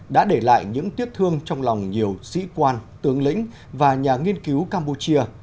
đã để lại những tiếc thương trong lòng nhiều sĩ quan tướng lĩnh và nhà nghiên cứu campuchia